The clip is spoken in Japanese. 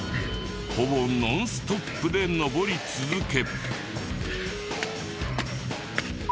ほぼノンストップで上り続ける。